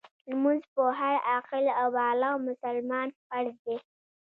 لمونځ په هر عاقل او بالغ مسلمان فرض دی .